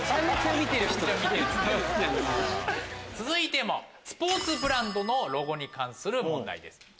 続いてもスポーツブランドのロゴに関する問題です。